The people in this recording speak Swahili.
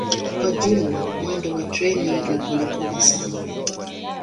Kwa jumla mwendo wa treni ni polepole sana.